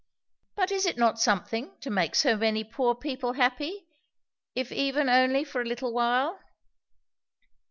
"But is it not something, to make so many poor people happy, if even only for a little while?"